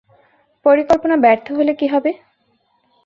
পরিকল্পনা ব্যর্থ হলে কী হবে?